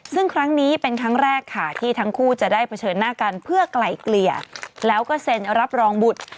ซึ่งครั้งนี้เป็นครั้งแรกค่ะที่ทั้งคู่จะได้เผชิญหน้ากันเพื่อไกลเกลี่ยแล้วก็เซ็นรับรองบุตร